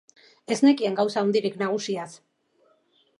Ez nekien gauza handirik nagusiaz.